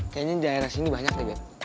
kayaknya daerah sini banyak deh bet